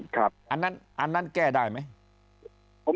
อันนั้นแก้ได้ไหม